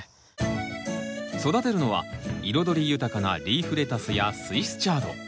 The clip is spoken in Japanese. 育てるのは彩り豊かなリーフレタスやスイスチャード。